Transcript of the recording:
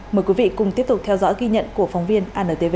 mời quý vị cùng tiếp tục theo dõi ghi nhận của phóng viên antv